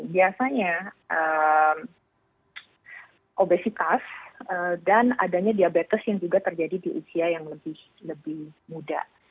biasanya obesitas dan adanya diabetes yang juga terjadi di usia yang lebih muda